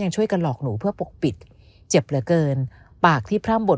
ช่วยกันหลอกหนูเพื่อปกปิดเจ็บเหลือเกินปากที่พร่ำบท